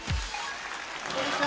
こんにちは！